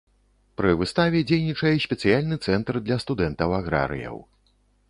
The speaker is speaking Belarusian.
Пры выставе дзейнічае спецыяльны цэнтр для студэнтаў-аграрыяў.